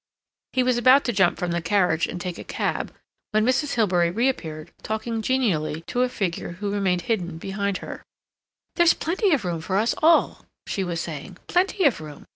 He was about to jump from the carriage and take a cab, when Mrs. Hilbery reappeared talking genially to a figure who remained hidden behind her. "There's plenty of room for us all," she was saying. "Plenty of room.